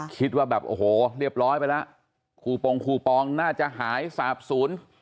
คิดว่าแบบโอ้โหเรียบร้อยไปแล้วคูปองคูปองน่าจะหายสาบศูนย์